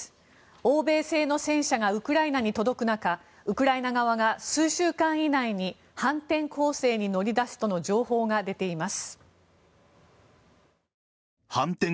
欧米製の戦車がウクライナに届く中ウクライナ側が数週間以内に反転攻勢に乗り出すとの情報が出ています。